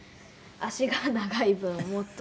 足が長い分もっと。